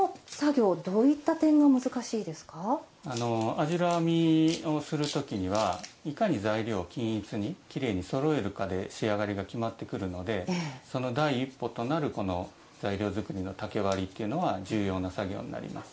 網代編みをする時にはいかに材料を均一にきれいにそろえるかで仕上がりが決まってくるのでその第一歩となる材料作りの竹割りっていうのは重要な作業になります。